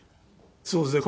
そうですね。